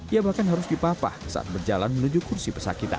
ia bahkan harus dipapah saat berjalan menuju kursi pesakitan